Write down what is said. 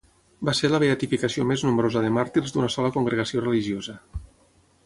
Va ser la beatificació més nombrosa de màrtirs d'una sola congregació religiosa.